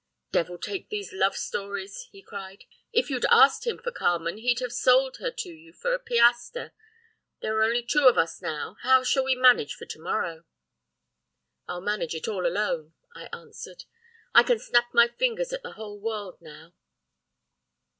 "'Devil take these love stories!' he cried. 'If you'd asked him for Carmen he'd have sold her to you for a piastre! There are only two of us now how shall we manage for to morrow?' "'I'll manage it all alone,' I answered. 'I can snap my fingers at the whole world now.